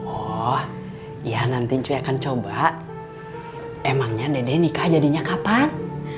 oh ya nanti cuy akan coba emangnya dede nikah jadinya kapan